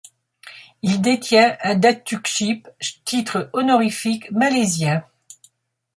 Il détient un Datukship, titre honorifique Malaisien.